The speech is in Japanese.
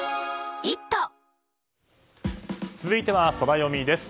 続いてはソラよみです。